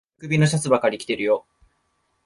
丸首のシャツばっかり着てるよ。